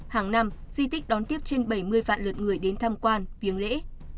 hàng năm di tích đón tiếp trên bảy mươi vạn lượt người đến tham quan viếng lễ